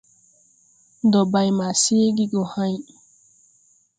Ndɔ bay ma seege gɔ hãy.